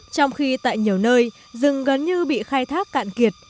trong khi tại nhiều nơi rừng gần như bị khai thác cạn kiệt